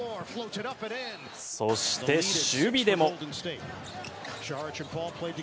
そして、守備でも。